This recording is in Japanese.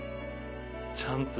ちゃんと。